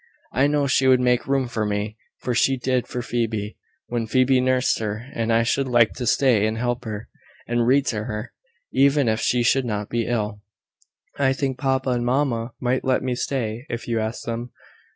I know she would make room for me; for she did for Phoebe, when Phoebe nursed her; and I should like to stay and help her, and read to her, even if she should not be ill. I think papa and mamma might let me stay, if you asked them."